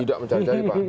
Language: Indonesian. tidak mencari cari pak